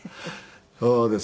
そうです。